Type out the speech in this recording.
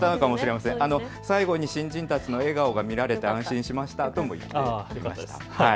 最後に新人たちの笑顔が見られて安心しましたとも言っていました。